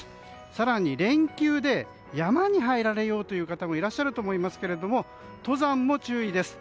更に連休で山に入られようという方もいらっしゃると思いますが登山も注意です。